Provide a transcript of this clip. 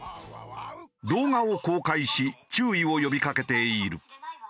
動画を公開し注意を呼び掛けている。